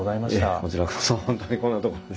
こちらこそ本当にこんなところで。